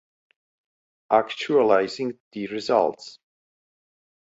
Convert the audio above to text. Actualizing the results.